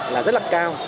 là rất là cao